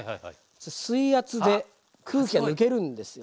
水圧で空気が抜けるんですよ。